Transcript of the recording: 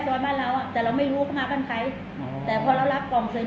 ซ้อยบ้านเราอ่ะแต่เราไม่รู้ว่าเขามากันใครอ๋อแต่พอเรารับกล่องเสียง